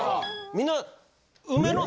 みんな。